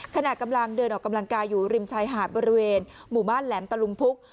ขณะกำลังเดินออกกำลังกายอยู่ริมชายหาดบริเวณหมู่บ้านแหลมตะลุงพุก